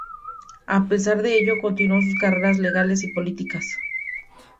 A pesar de ello, continuó sus carreras legales y políticas.